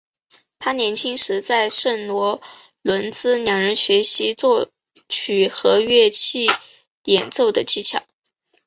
他年轻时在圣罗伦兹两人学习作曲和乐器演奏的技巧。